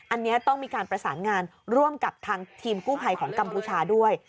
อันนี้ต้องมีการประสานงานร่วมกับทางทีมกู้ภัยของกัมพูชาด้วย